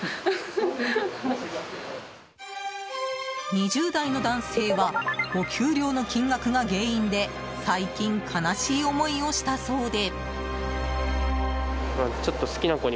２０代の男性はお給料の金額が原因で最近、悲しい思いをしたそうで。